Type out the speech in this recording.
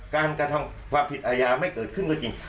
การกระทำความผิดอาญาไม่เกิดขึ้นก็จริง